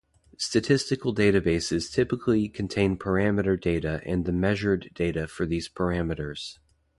Statistical databases typically contain parameter data and the measured data for these parameters.